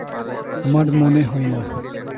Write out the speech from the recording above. আমার মনে হয় না।